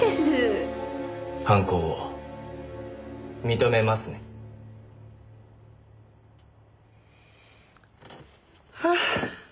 犯行を認めますね？はあ。